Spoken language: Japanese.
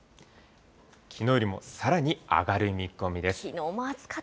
きのうよりもさらに上がる見込みです。